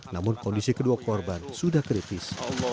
namun kondisi kedua korban sudah kritis